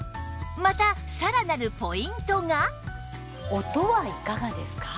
またさらなるポイントが音はいかがですか？